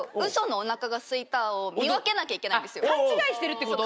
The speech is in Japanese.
勘違いしてるってこと？